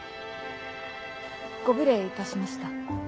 ご無礼いたしました。